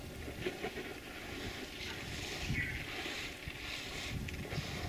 与中贝德福德郡相邻的贝德福德区由非都市区升格为单一管理区。